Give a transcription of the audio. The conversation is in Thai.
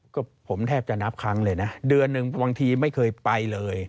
ก็ผมแทบจะนับครั้งเลยนะเดือนหนึ่งบางทีไม่เคยไปเลย